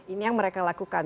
ini yang mereka lakukan